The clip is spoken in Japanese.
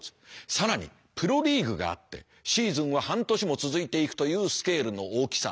更にプロリーグがあってシーズンは半年も続いていくというスケールの大きさ。